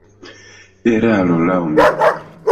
Eraro, laŭ mi.